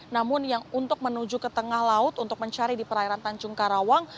namun yang untuk menuju ke tengah laut untuk mencari di perairan tanjung karawang